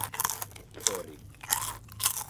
Orig.